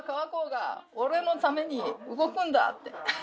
俺のために動くんだって。